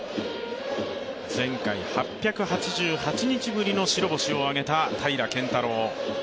前回８８８日ぶりの白星を挙げた平良拳太郎。